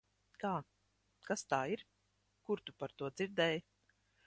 Kā? Kas tā ir? Kur tu par to dzirdēji?